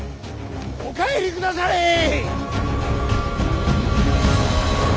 お帰りくだされ！